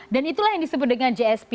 dan itulah yang disebut dengan gsp